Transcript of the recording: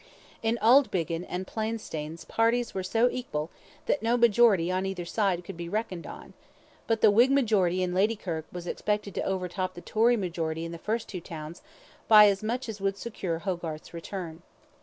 In Auldbiggin and Plainstanes parties were so equal that no majority on either side could be reckoned on, but the Whig majority in Ladykirk was expected to overtop the Tory majority in the two first towns by as much as would secure Hogarth's return.